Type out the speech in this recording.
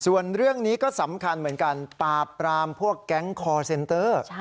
ส่วนเรื่องนี้ก็สำคัญเหมือนกันปราบปรามพวกแก๊งคอร์เซนเตอร์